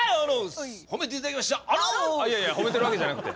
いやいや褒めてるわけじゃなくて。